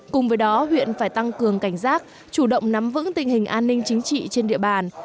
cùng với đó huyện phải tăng cường cảnh giác chủ động nắm vững tình hình an ninh chính trị trên địa bàn